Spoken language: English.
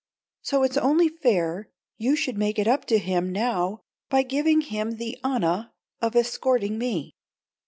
So it's only fair you should make it up to him now by giving him the honah of escorting me.